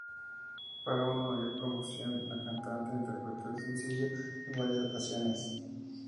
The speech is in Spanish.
Para una mayor promoción, la cantante interpretó el sencillo en varias ocasiones.